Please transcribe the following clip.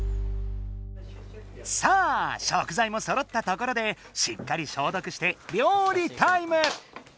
さあ食材もそろったところでしっかり消毒して料理タイム！